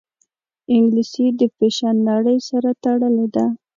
انګلیسي د فیشن نړۍ سره تړلې ده